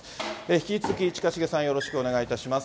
引き続き近重さん、よろしくお願いします。